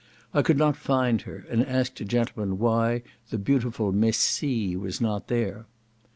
I could not find her, and asked a gentleman why the beautiful Miss C. was not there.